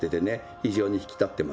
非常に引き立ってます。